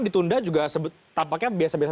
ditunda juga tampaknya biasa biasa